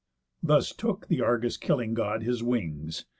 Thus took the Argus killing God his wings.